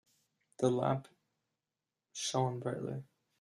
The lamp shone brightly.